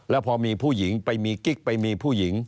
แล้วพอมีผู้หญิงไปมีกิ๊กไปมีผู้หญิง